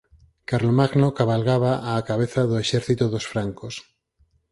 Carlomagno cabalgaba á cabeza do exército dos Francos.